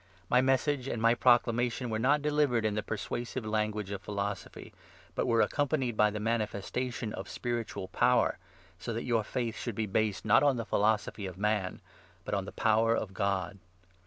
My Message and my Proclamation were not 4 delivered in the persuasive language of philosophy, but were accompanied by the manifestation of spiritual power, so that 5 your faith should be based, not on the philosophy of man, but on the power of God.